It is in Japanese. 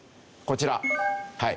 はい。